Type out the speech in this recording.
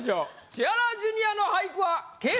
千原ジュニアの俳句は。